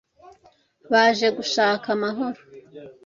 Baje gushaka amahoro.